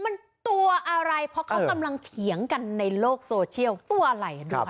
มันตัวอะไรเพราะเขากำลังเถียงกันในโลกโซเชียลตัวอะไรรู้ไหม